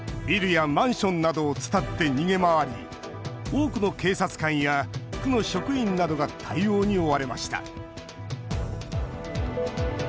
ビルやマンションなどを伝って逃げ回り多くの警察官や区の職員などが対応に追われました。